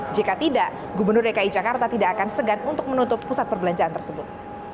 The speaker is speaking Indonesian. jika tidak gubernur dki jakarta tidak akan segan untuk menutup pusat perbelanjaan tersebut